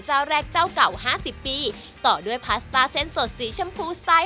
จาวแรกเจ้าเก่า๕๐ปีต่อด้วยพาสตาเส้นสดสีชมพูสไตล์